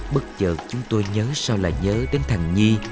bất chợt chúng tôi nhớ sao là nhớ đến thằng nhi